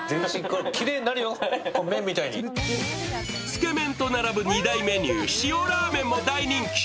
つけ麺と並ぶ２大メニュー、塩ラーメンも大人気。